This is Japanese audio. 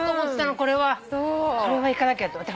これは行かなきゃと思って。